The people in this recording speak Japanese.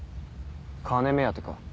金目当てか。